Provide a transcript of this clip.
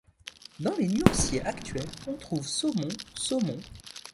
Dans les nuanciers actuels, on trouve Saumon, saumon.